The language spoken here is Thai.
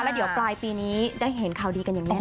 แล้วเดี๋ยวปลายปีนี้ได้เห็นข่าวดีกันอย่างแน่น